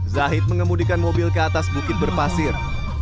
zahid mengemudikan mobil ke atas bukit berpasir